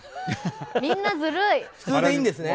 みんなずるい！